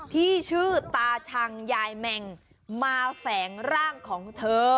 ที่ชื่อตาชังยายแมงมาแฝงร่างของเธอ